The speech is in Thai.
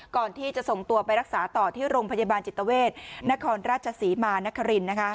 ก่อนที่จะส่งตัวไปรักษาต่อที่โรงพยาบาลจิตเวทนครราชศรีมานคริน